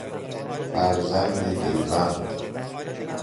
فرزند دلبند